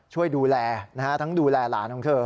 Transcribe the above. ช่วยดูแลนะฮะทั้งดูแลหลานของเธอ